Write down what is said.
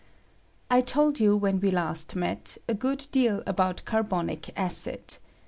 I told you, when we last met, a good deal about carbonic acid.